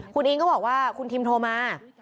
คุณอิงก็บอกว่าคุณทิมโทรมา